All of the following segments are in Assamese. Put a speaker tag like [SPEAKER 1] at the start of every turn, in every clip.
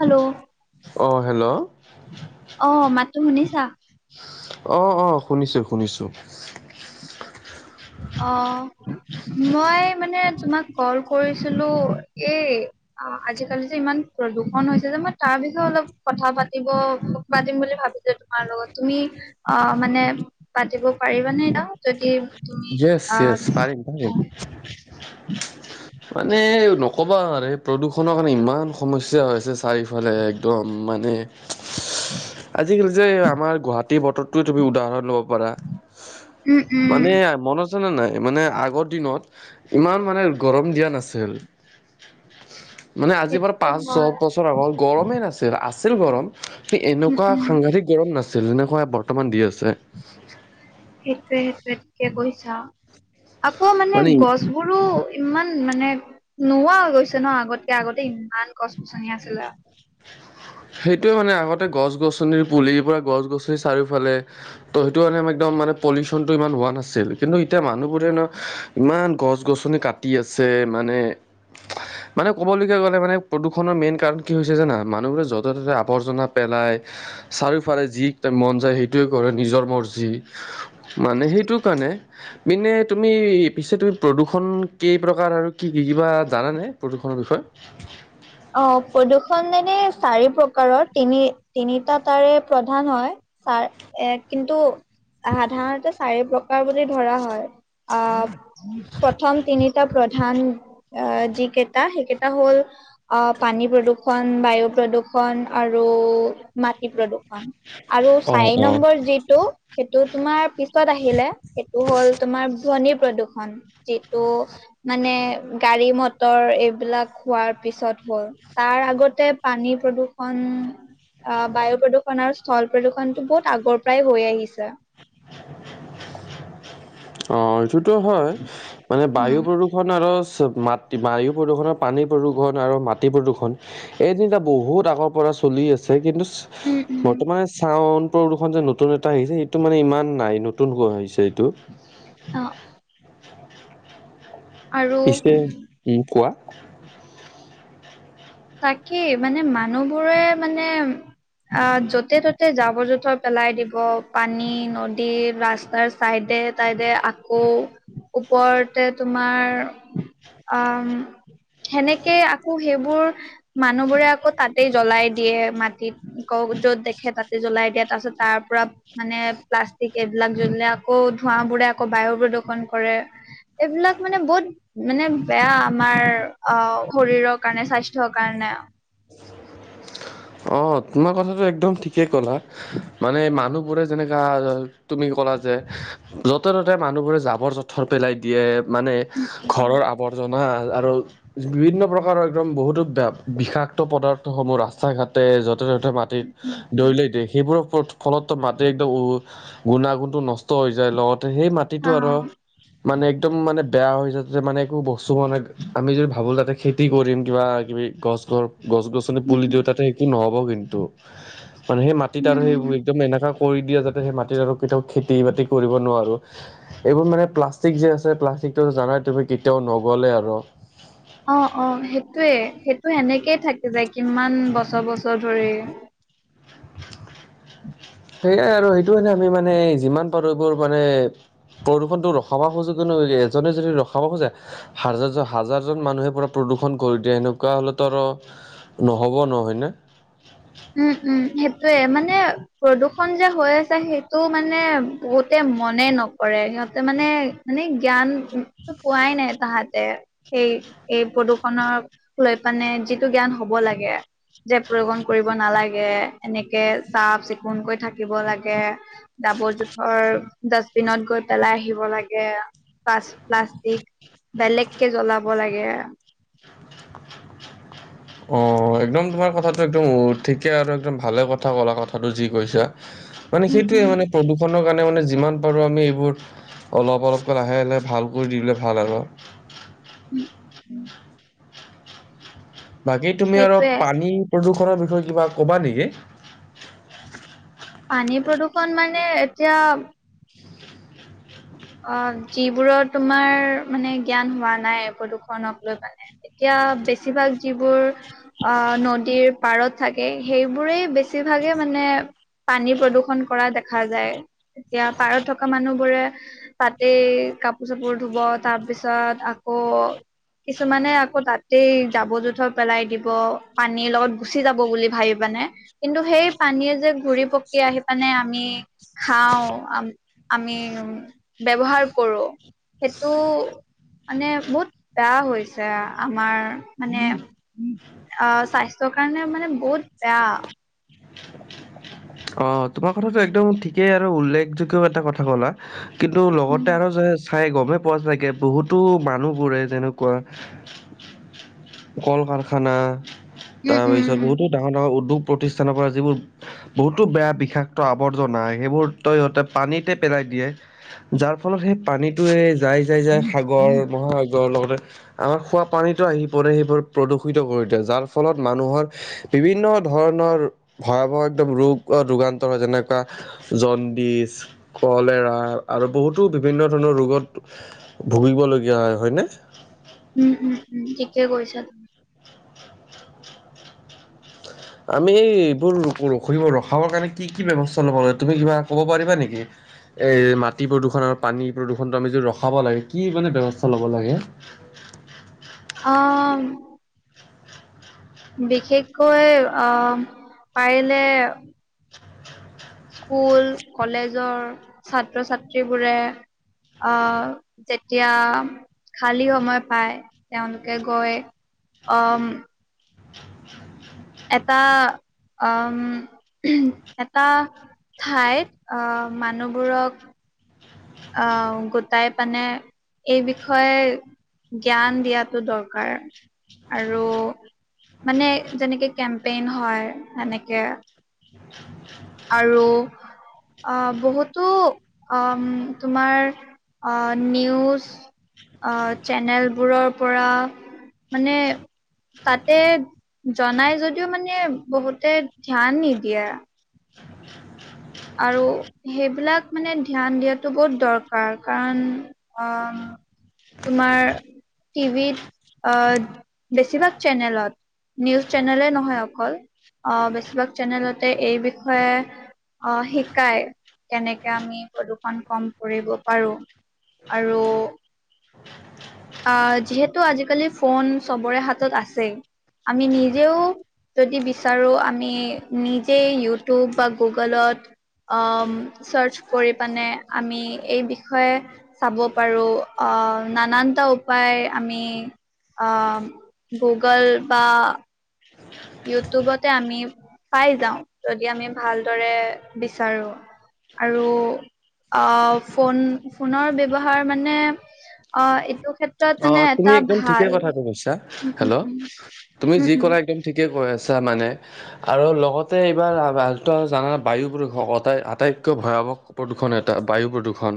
[SPEAKER 1] হেল্ল'।
[SPEAKER 2] অঁ হেল্ল'।
[SPEAKER 1] অঁ মাতটো শুনিছা?
[SPEAKER 2] অঁ অঁ শুনিছোঁ শুনিছোঁ।
[SPEAKER 1] অঁহ, মই মানে তোমাক কল কৰিছিলোঁ এই অঁ আজিকালি যে ইমান প্ৰদূষণ হৈছে যে মই তাৰ বিষয়ে অলপ কথা পাতিব পাতিম বুলি ভাবিছিলো। তোমাৰ লগত তুমি অঁ মানে পাতিব পাৰিবা নে এতিয়া? যদি তুমি
[SPEAKER 2] য়েছ
[SPEAKER 1] আহ
[SPEAKER 2] য়েছ পাৰিম পাৰিম। মানে নকবা আৰু প্ৰদূষণৰ কাৰণে ইমান সমস্যা হৈছে চাৰিফালে একদম মানে ইচ আজিকালি যে আমাৰ গুৱাহা টি বতৰটো তুমি উদাহৰণ ল'ব পাৰা।
[SPEAKER 1] উম উম
[SPEAKER 2] মানে মনত আছেনে নাই? মানে আগৰ দিনত ইমান মানে গৰম দিয়া নাছিল। মানে আজি বাৰু
[SPEAKER 1] সেইটোতো
[SPEAKER 2] পাঁচ, ছ
[SPEAKER 1] হয়
[SPEAKER 2] বছৰ আগ হল গৰমেই নাছিল, আছিল গৰম সেই
[SPEAKER 1] উম
[SPEAKER 2] এনেকুৱা
[SPEAKER 1] উম
[SPEAKER 2] সাংঘাতিক গৰম নাছিল যেনেকুৱা বৰ্তমান দি আছে।
[SPEAKER 1] সেইটোয়ে সেইটোয়ে ঠিকে কৈছা। আকৌ মানে গছ বোৰো ইমান মানে নোহোৱা হৈ গৈছে ন আগতকে, আগতে ইমান গছ - গছনি আছিলে।
[SPEAKER 2] সেইটোৱে মানে আগতে গছ - গছনিৰ পুলিৰ পৰা গছ - গছনি চাৰিওফালে ত' সেইটো কাৰণে একদম মানে পলিউচনটো ইমান হোৱা নাছিল। কিন্তু এতিয়া মানুহবোৰে ন ইমান গছ - গছনি কাটি আছে মানে মানে ক'বলগীয়া গ'লে মানে প্ৰদূষণৰ মেইন কাৰণ কি হৈছে জানা মানুহবোৰে যত ততে আৱৰ্জনা পেলাই, চাৰিওফালে যি মন যায় সেইটোৱে কৰে নিজৰ মৰ্জি। মানে সেইটো কাৰণে মিনে তুমি পিছে তুমি প্ৰদূষণ কেই প্ৰকাৰ আৰু কি কি? কিবা জানেনে প্ৰদূষণৰ বিষয়ে?
[SPEAKER 1] অঁ প্ৰদূষণ এনে চাৰি প্ৰকাৰৰ। তিনি তিনিটা তাৰে প্ৰধান হয়। ছাৰ এ কিন্তু সাধাৰণতে চাৰি প্ৰকাৰ বুলি ধৰা হয় আহ প্ৰথম তিনিটা প্ৰধান আহ যিকেইটা সেই কেইটা হ'ল অঁ পানী প্ৰদূষণ, বায়ু প্ৰদূষণ আৰু মাটি প্ৰদূষণ। আৰু
[SPEAKER 2] অ',
[SPEAKER 1] চাৰি
[SPEAKER 2] অ',
[SPEAKER 1] নম্বৰ যিটো সেইটো তোমাৰ পিছত আহিলে সেইটো হ'ল তোমাৰ ধ্বনি প্ৰদূষণ। যিটো মানে গাড়ী - মটৰ এইবিলাক হোৱাৰ পিছত হয়। তাৰ আগতে পানী প্ৰদূষণ, অঁ বায়ু প্ৰদূষণ আৰু স্থল প্ৰদূষণটো বহুত আগৰ পৰাই হৈ আহিছে।
[SPEAKER 2] অ, এইটোতো হয় মানে বায়ু
[SPEAKER 1] উম
[SPEAKER 2] প্ৰদু প্ৰদূষণ আৰু মাটি বায়ু প্ৰদূষণ, পানী প্ৰদূষণ আৰু মাটি প্ৰদূষণ এই তিনিটা বহুত আগৰ পৰা চলি আছে কিন্তু
[SPEAKER 1] উম উম
[SPEAKER 2] বৰ্তমানে চাউন প্ৰদূষণ যে নতুন এটা আহিছে সেইটো মানে ইমান নাই নতুন হোৱা হৈছে এইটো।
[SPEAKER 1] অঁ। আৰু
[SPEAKER 2] পিছে উম কোৱা?
[SPEAKER 1] তাকেই মানে মানুহবোৰে মানে আহ য'তে-ততে জাৱৰ-জোথৰ পেলাই দিব পানী, নদী, ৰাস্তাৰ চাইডে তাইডে আকৌ ওপৰতে তোমাৰ আম, সেনেকে আকৌ সেইবোৰ মানুহ বোৰে আকৌ তাতেই জ্বলাই দিয়ে মাটিত। কৌ য'ত দেখে তাতে জ্বলাই দিয়া তাৰ পাছত তাৰ পৰা মানে প্লাষ্টিক এইবিলাক জ্বলে আকৌ ধোঁৱাবোৰে আকৌ বায়ু প্ৰদূ্ষন কৰে। এইবিলাক মানে বহুত মানে বেয়া আমাৰ অ শৰীৰৰ কাৰণে স্বাস থ কাৰণে।
[SPEAKER 2] অ, তোমাৰ কথাটো একদম ঠিকেই ক'লা মানে মানুহ বোৰে যেনেকা তুমি ক'লা যে য'তে - ত'তে মানুহবোৰে যাবৰ য থৰ পেলাই দিয়ে মানে
[SPEAKER 1] উম উম
[SPEAKER 2] ঘৰৰ আৱৰজ মাহছ আৰু বিভিন্ন প্ৰকাৰৰ একদম বহুতো বিষাক্ত পদাৰ্থসমূহ ৰাস্তা -ঘাট তে যতে -ত'তে মাটিত
[SPEAKER 1] উম, উম,
[SPEAKER 2] দৰিলে দিয়ে সেইবোৰৰ ওপৰত ফলতো মাটি একদম উ গুণাগুণটো নষ্ট হৈ যায়। লগতে সেই মাটিটো
[SPEAKER 1] হা
[SPEAKER 2] আৰু মানে একদম মানে বেয়া হৈ যা মানে একো বস্তু হোৱা নাই আমি যদি ভাবো তাতে খেতি কৰিম কিবা কিবি গছ গছ গছ-গছনি
[SPEAKER 1] উম
[SPEAKER 2] পুলি দিও তাতে নহব কিন্তু মানে সেই মাটিত
[SPEAKER 1] উম
[SPEAKER 2] আৰু সেইবোৰ
[SPEAKER 1] উম।
[SPEAKER 2] একদম এনেকা কৰি দিয়ে যাতে সেই মাটিত আৰু কেতিয়াও খেতি-বাতি কৰিব নোৱাৰোঁ। এইবোৰ মানে প্লাষ্টিক যে আছে প্লাষ্টিকটো জানাই তুমি কেতিয়াও নগলে আৰ।
[SPEAKER 1] অ অ সেইটোয়ে সেইটো সেনেকেই থাকে যায় কিমান বছৰ বছৰ ধৰি।
[SPEAKER 2] সেইয়াই আৰু সেইটো হানে আমি মানে যিমান পাৰোঁ এইবোৰ মানে প্ৰদূষণটো ৰখাব খোজো কিনো এজনে যদি ৰখাব খোজে হাজাৰজন হাজাৰজন মানুহে পুৰা প্ৰদূষণ কৰি দিয়ে সেনেকুৱা হলেতো আৰ। নহ'ব নহয়নে।
[SPEAKER 1] উম উম সেইটোয়ে মানে প্ৰদূৰ্ষণ যে হৈ আছে সেইটো মানে বহুতে মনে নকৰে সিহঁতে মানে মানে জ্ঞানটো পোৱাই নাই তাহাঁতে সেই এই প্ৰদূষণৰ লৈ পানে যিটো জ্ঞান হ'ব লাগে যে প্ৰয়োগন কৰিব নালাগে এনেকে চাফ-চিকুণ কৈ থাকিব লাগে। জাবৰ-জোথৰ ডাষ্টবিনত গৈ পেলাই আহিব লাগে। পা প্লাষ্টিক বেলেগ কে জ্বলাব লাগে।
[SPEAKER 2] অ একদম তোমাৰ কথাটো একদম ঠিকে আৰু একদম ভালে কথা ক'লা কথাটো যি কৈছা। মানে
[SPEAKER 1] উম,
[SPEAKER 2] সেইটোয়ে
[SPEAKER 1] উম,
[SPEAKER 2] মানে প্ৰদূষণৰ কাৰণে মানে যিমান পাৰো আমি এইবোৰ অলপ অলপ কে লাহে লাহে ভাল কৰি দিলে ভাল আৰ।
[SPEAKER 1] উম উম।
[SPEAKER 2] বাকী তুমি আৰু
[SPEAKER 1] সেইটোয়ে
[SPEAKER 2] পানী প্ৰদূষনৰ বিষয়ে কিবা ক'বা নেকি?
[SPEAKER 1] পানী প্ৰদূষণ মানে এতিয়া অ, যিবোৰৰ তোমাৰ মানে জ্ঞান হোৱা নাই প্ৰদূষণক লৈ মানে এতিয়া বেছিভাগ যিবোৰ অ নদীৰ পাৰত থাকে সেইবোৰেই বেছিভাগে মানে পানী প্ৰদূষণ কৰা দেখা যায়। এতিয়া পাৰত থকা মানুহ বোৰে তাতে কাপোৰ চাপোৰ ধুব তাৰপিছত আকৌ কিছুমানে আকৌ তাত এই জাবৰ জোথৰ পেলাই দিব পানীৰ লগত গুচি যাব বুলি ভাবি বানে? কিন্তু সেই পানীয়ে যে ঘূৰি পক- কি আহি পানে আমি খাও আম আমি ব্যৱহাৰ কৰো সেটো মানে বহুত বেয়া হৈছে আমাৰ মানে অ স্বাস্থ্যৰ কাৰণে মানে বহুত বেয়া।
[SPEAKER 2] অ তোমাৰ কথাটো একদম ঠিকেই আৰু উল্লেখযোগ্য ও এটা কথা ক'লা। কিন্তু
[SPEAKER 1] উম
[SPEAKER 2] লগতে আৰু যে চাই গমেই পোৱা চাগে বহুতো মানুহবোৰে যেনেকুৱা কল কাৰখানা
[SPEAKER 1] উম উম
[SPEAKER 2] তাৰপিছত বহুতো
[SPEAKER 1] উম
[SPEAKER 2] ডাঙৰ ডাঙৰ উদ্যোগ প্ৰতিষ্ঠানৰ পৰা যিবোৰ বহুতো বেয়া বিষাক্ত আৱৰ্জনা সেইবোৰ ত ইহঁতে পানীতে পেলাই দিয়ে। যাৰ ফলত সেই পানীটোৱে যাই যাই যাই সাগৰ মহাসাগৰ লগতে আমাৰ খোৱাপানীতো আহি পৰে সেইবোৰ প্ৰদূষিত কৰি দিয়ে যাৰ ফলত মানুহৰ বিভিন্ন ধৰণৰ ভয়াৱহ একদম ৰোগ ৰোগান্তৰ হয় যেনেকুৱা জণ্ডিচ কলেৰা আৰু বহুতো বিভিন্ন ধৰণৰ ৰোগত ভুগিবলগীয়া হয় হয়নে?
[SPEAKER 1] উম উম উম ঠিকে কৈছা তুমি।
[SPEAKER 2] আমি এইবোৰ ৰখৰিব ৰখাবৰ কাৰণে কি কি ব্যৱস্থা লব লাগে তুমি কিবা কব পাৰিবা নেকি? এই মাটি প্ৰদূষণ আৰু পানী প্ৰদূষণটো আমি যদি ৰখাব লাগে কি মানে ব্যৱস্থা ল'ব লাগে?
[SPEAKER 1] অম। বিশেষকৈ অ পাৰিলে স্কুল, কলেজৰ, ছাত্ৰ ছাত্ৰীবোৰে অ, যেতিয়া খালী সময় পায়, তেওঁলোকে গৈ, অহ ম এটা, উম [unintelligible] এটা ঠাইত, অ মানুহবোৰক আহ গোটাই পানে, এই বিষয়ে জ্ঞান দিয়াতো দৰকাৰ। আৰু, মানে যেনেকে কেম্পেইন হয়, শেনেকে আৰু অ বহুতো, তোমাৰ অহ নিউজ অ চেনেলবোৰৰ পৰা, মানে তাতে জনাই যদিও মানে, বহুতে ধ্যান নিদিয়ে। আৰু সেইবিলাক মানে ধ্যান দিয়াতো বহুত দৰকাৰ, কাৰণ অ' তোমাৰ টিভিত অ বেছিভাগ চেনেলত। নিউজ চেনেলেই নহয় অকল, অ বেছিভাগ চেনেলতে, এই বিষয়ে অ শিকাই, কেনেকে আমি প্ৰদূৰ্ষণ কম কৰিব পাৰো। আৰু অ' যিহেতু আজিকালি ফোন চবৰে হাতত আছেই আমি নিজেও, যদি বিচাৰো, আমি নিজেই ইউটিউব বা গুগল গলত, অ'ম চাৰ্চ কৰি পানে, আমি এই বিষয়ে চাব পাৰো, আ নানানটা উপায় আমি অ গুগল বা ইউটিউবতে আমি পাই যাওঁ, যদি আমি ভালদৰে বিচাৰো। আৰু আহ ফোন, ফোনৰ ব্যৱহাৰ মানে অ' এইটো ক্ষেত
[SPEAKER 2] অ তুমি একদম ঠিকে কথাটো কৈছা, হেল্ল', তুমি যি কৰা একদম ঠিকে কৈ আছা মানে আৰু লগতে এইবাৰ আগ [unintelligible] বা জান বায়ু বোৰে ভগতে আটাইতকৈ ভয়াৱহ প্ৰদূষণ এটা, বায়ু প্ৰদূৰষণ,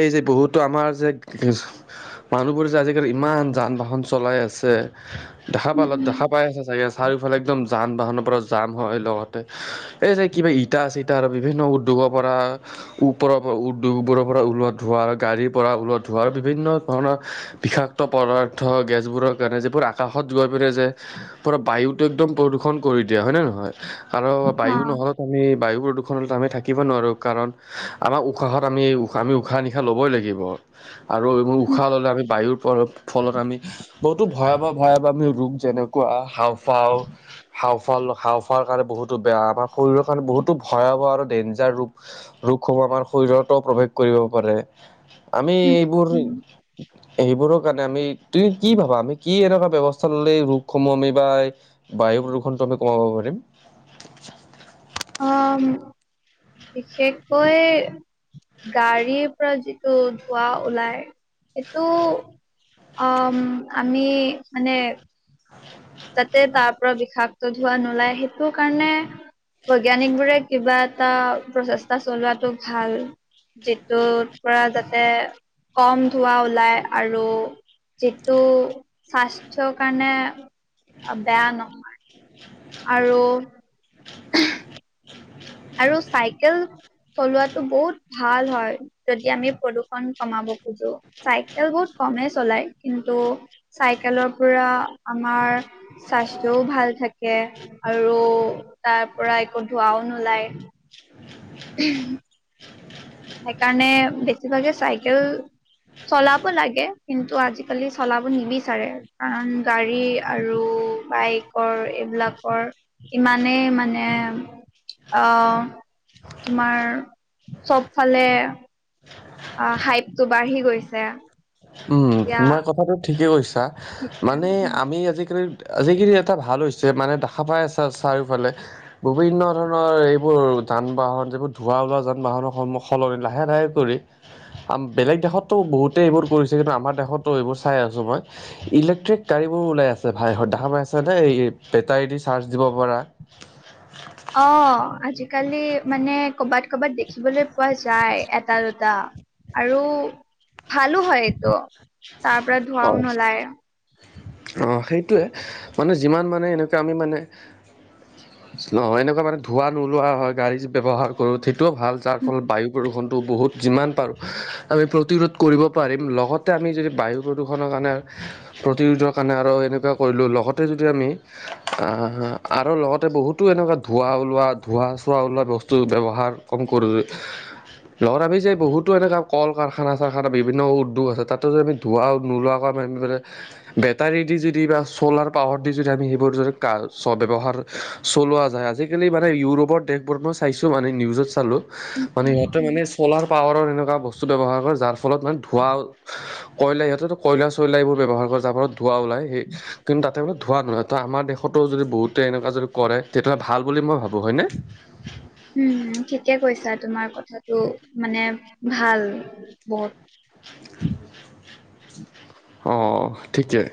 [SPEAKER 2] এই যে বহুতো আমাৰ যে, [unintelligible] মানুহবোৰ যে আজিকালি ইমান যান বাহন চলাই আছে, দেখা পালত দেখা পাই আছে চাগে, চাৰিওফালে একদম যান বাহনৰ পৰা যাম হয় লগতে, এই যে কিবা ইতা-চিতা আৰু বিভিন্ন উদ্যোগৰ পৰা ওপৰৰ পৰা দুবোৰৰ পৰা ওলোৱা ধোৱাৰ, ‌গাড়ীৰ পৰা ওলাত ধোৱাৰ, বিভিন্ন ধৰণৰ, বিষাক্ত পদাৰ্থ গেছবোৰৰ কাৰণে, যিবোৰ আকাশত গৈ পৰে যে পুৰা বায়ুটো একদম প্ৰদূষণ কৰি দিয়ে, হয় নে নহয়, আৰু বায়ু
[SPEAKER 1] অ',
[SPEAKER 2] নহ'লে আমি বায়ু প্ৰদূষণতো আমি থাকিব নোৱাৰোঁ, কাৰণ আমাৰ উশাহত আমি, আমি উশাহ নিশাহ ল'বই লাগিব, আৰু
[SPEAKER 1] উম,
[SPEAKER 2] উশাহ ললে আমি বায়ুৰ ফলত আমি, বহুতো ভয়াৱ ভয়াৱ আমি ৰোগ যেনেকুৱা হাওঁ ফাও, সাও [unintelligible] হাও- ফাও কাৰণে বহুতো বেয়া, আমাৰ শৰীৰৰ কাৰণে বহুতো ভয়াৱহ আৰু ডেঞ্জাৰ ৰূপ ৰোগসমূহ আমাৰ শৰীৰতো প্ৰৱেশ কৰিব পাৰে, আমি
[SPEAKER 1] উম,
[SPEAKER 2] এইবোৰ
[SPEAKER 1] উম,
[SPEAKER 2] সেইবোৰৰ কাৰণে আমি, তুমি কি ভাবা, আমি কি এনেকুৱা ব্যৱস্থা ললে ৰোগসমূহ আমি বা বায়ু প্ৰদূষণটো আমি কমাব পাৰিম?
[SPEAKER 1] অ'ম, বিশেষকৈ গাড়ীৰ পৰা যিটো ধোৱা ওলাই, সেইটো অ'ম, আমি মানে
[SPEAKER 2] [unintelligible]
[SPEAKER 1] তাতে তাৰ পৰা বিষাক্ত ধোৱা নোলায়, সেইটো কাৰণে বৈজ্ঞানিক বোৰে কিবা এটা প্ৰচেষ্টা চলোৱাাতটো ভাল। যিটো পৰা যাতে কম ধুৱা ওলাই আৰু যিটো স্বাস্থৰ কাৰণে অ বেয়া নহয়।
[SPEAKER 2] [unintelligible]
[SPEAKER 1] আৰু আৰু চাইকেল চলোৱাটো বহুত ভাল হয়। যদি আমি প্ৰদূষণ কমাব খোজো, চাইকেল বহুত কমেই চলাই কিন্তু চাইকেলৰ পৰা আমাৰ স্বাস্থ্যও ভাল থাকে আৰু তাৰ পৰা একো ধোঁৱাও নোলায়।
[SPEAKER 2] [unintelligible]
[SPEAKER 1] উহ।
[SPEAKER 2] [unintelligible]
[SPEAKER 1] সেইকাৰণে বেছিভাগে চাইকেল চলাব লাগে। কিন্তু আজিকালি চলাব নিবিচাৰে কাৰণ গাড়ী আৰু বাইক কৰ এইবিলাকৰ ইমানেই মানে আহ তোমাৰ চব ফালে আ হাইপটো বাঢ়ি গৈছে।
[SPEAKER 2] উম
[SPEAKER 1] এতিয়া
[SPEAKER 2] তোমাৰ কথাটো ঠিকে কৈছা
[SPEAKER 1] সেইটোৱে
[SPEAKER 2] মানে
[SPEAKER 1] উম।
[SPEAKER 2] আমি আজিকালি আজিখিনি এটা ভাল হৈছে মানে দেখা পাই আছা চাৰিওফালে বিভিন্ন ধৰণৰ এইবোৰ যান -বাহন যিবোৰ ধোঁৱা ওলোৱা যান - বাহনৰ সন্মুখ সলনি লাহে - লাহে কৰি আ বেলেগ দেশততো বহুতেই এইবোৰ কৰিছে কিন্তু আমাৰ দেশতো এইবোৰ চাই আছো মই। ইলেক্ট্ৰিক গাড়ীবোৰ ওলাই আছে ভাই দাম আছেনে এই বেটাৰী দি চাৰ্জ দিব পৰা
[SPEAKER 1] অ আজিকালি মানে কৰ'বাত কৰ'বাত দেখিবলৈ পোৱা যায় এটা দুটা। আৰু ভালো হয় এইটো তাৰ পৰা
[SPEAKER 2] অ'।
[SPEAKER 1] ধোৱাও নোলায়।
[SPEAKER 2] অ সেইটোৱে মানে যিমান মানে এনেকুৱা আমি মানে নহয় এনেকুৱা মানে ধুৱা নোলোৱা হয়, গাড়ী ব্যৱহাৰটো সেইটোও ভাল। যাৰ
[SPEAKER 1] উম,
[SPEAKER 2] ফলত বায়ু প্ৰদূষণটো বহুত যিমান পাৰোঁ আমি প্ৰতিৰোধ কৰিব পাৰিম লগত তাতে আমি যদি বায়ু প্ৰদূষণৰ কাৰণে প্ৰতিৰোধৰ কাৰণে আৰু এনেকুৱা কৰিলোঁ লগতে যদি আমি আহাঁ, আৰু লগতে বহুতো এনেকুৱা ধোঁৱা ওলোৱা ধোঁৱা চোৱা ওলোৱা বস্তু ব্যৱহাৰ কম কৰোঁ যে লগত আমি যে বহুতো এনেকুৱা কল কাৰখানা - চাৰখানা বিভিন্ন উদ্যোগ আছে তাত টো যে আমি ধোঁৱা নোলোৱাকৈ আমি বেটাৰী দি যদি বা ছ'লাৰ পাৱাৰ দি যদি আমি সেইবোৰ যদি কা চ ব্যৱহাৰ হা চলোৱা যায়, আজিকালি মানে ইউৰোপৰ দেশবোৰত মই চাইছোঁ মানে নিউজত চালোঁ হা মানে
[SPEAKER 1] উম,
[SPEAKER 2] সিহঁতে
[SPEAKER 1] উম
[SPEAKER 2] মানে চ'লাৰ পাৱাৰৰ এনেকুৱা বস্তু ব্যৱহাৰ কৰে যাৰ ফলত মানে ধোঁৱা হা কয়লা ইহঁতেতো কয়লা- চয়লা এইবোৰ ব্যৱহাৰ কৰে যাৰ ফলত ধোৱা ওলাই সেই কিন্তু তাত ত বোক ধোৱা নহয় তো আমাৰ দেশতো যদি বহুতে এনেকুৱা যদি কৰে তেতিয়াহ'লে ভাল বুলি মই ভাবোঁ হয়নে?
[SPEAKER 1] উম ঠিকে কৈছা তোমাৰ কথাটো মানে ভাল বহুত।
[SPEAKER 2] অ ঠিকেই।